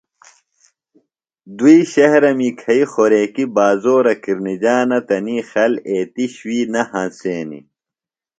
دُئی شہرہ می کھیئی خوریکیۡ بازورہ کِرنِجانہ تنی خل ایتیۡ شُوئی نہ ہنسینیۡ۔